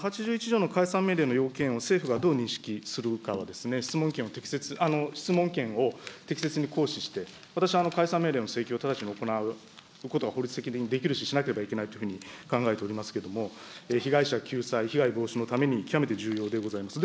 ８１条の解散命令の要件を政府がどう認識するかは、質問権を適切、質問権を適切に行使して、私、解散命令の請求を直ちに行うことが法律的にできるし、しなければいけないというふうに考えておりますけれども、被害者救済、被害防止のために、極めて重要でございます。